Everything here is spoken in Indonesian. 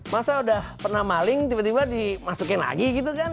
masa udah pernah maling tiba tiba dimasukin lagi gitu kan